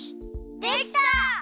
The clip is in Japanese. できた！